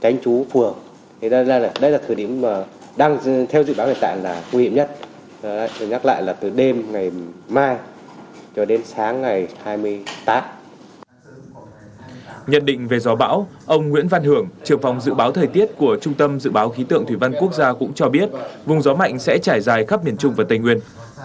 nhận định về gió bão ông nguyễn văn hưởng trường phòng dự báo thời tiết của trung tâm dự báo khí tượng thủy văn quốc gia cũng cho biết vùng gió mạnh sẽ trải dài khắp miền trung và tây nguyên